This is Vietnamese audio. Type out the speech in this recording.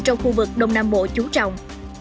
trong khu vực đông nam bộ chú trọng